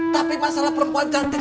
tapi masalah perempuan cantik